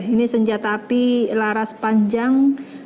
ini senjata api laras panjang